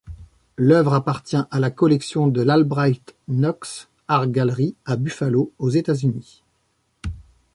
L'œuvre appartient à la collection de l'Albright-Knox Art Gallery à Buffalo, aux États-Unis.